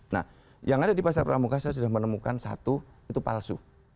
nah yang ada di pasar pramuka saya sudah menemukan satu itu palsu